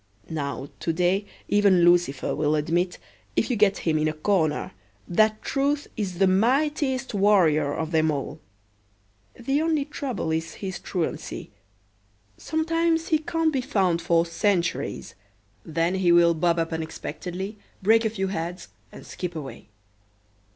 Now to day even Lucifer will admit, if you get him in a corner, that Truth is the mightiest warrior of them all. The only trouble is his truancy. Sometimes he can't be found for centuries. Then he will bob up unexpectedly, break a few heads, and skip away.